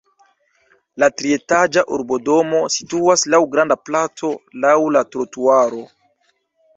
La trietaĝa urbodomo situas laŭ granda placo, laŭ la trotuaro.